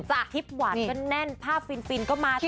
คลิปหวานแน่นภาพฟินก็มาเต็ม